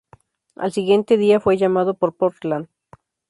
Al siguiente día fue llamado por Portland.